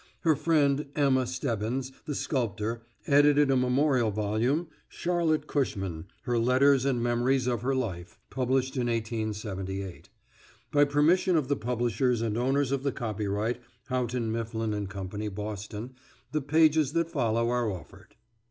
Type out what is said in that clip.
Her frlend, Emma Stebbins, the sculptor, edited a memorial volume, "Charlotte Cushman: Her Letters and Memories of Her Life," published in 1878. By permission of the publishers and owners of the copyright, Houghton, Mifflin & Co., Boston, the pages that follow are offered.